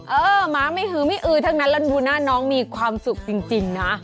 หมาไม่หือไม่อือทั้งนั้นแล้วดูหน้าน้องมีความสุขจริงนะ